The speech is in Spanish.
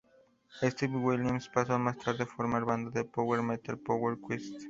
Steve Williams pasó más tarde a formar banda de power metal Power Quest.